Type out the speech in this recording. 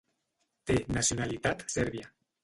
Té nacionalitat sèrbia.